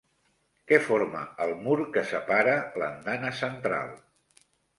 Què forma el mur que separa l'andana central?